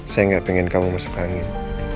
saya nggak pengen kamu masuk hangin